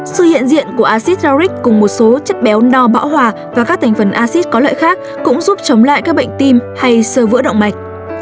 sự hiện diện của acidarric cùng một số chất béo no bão hòa và các thành phần acid có lợi khác cũng giúp chống lại các bệnh tim hay sơ vữa động mạch